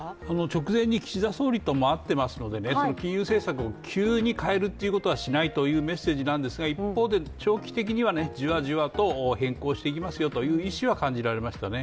直前に岸田総理とも会ってますので金融政策を急に変えるということはしないというメッセージなんですが一方で、長期的にはじわじわと変更していきますよという意思は感じられましたね。